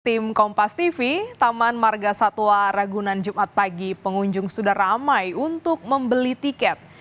tim kompas tv taman marga satwa ragunan jumat pagi pengunjung sudah ramai untuk membeli tiket